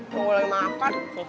lo boleh makan